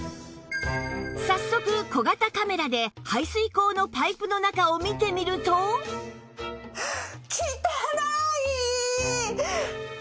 早速小型カメラで排水口のパイプの中を見てみるとはあ。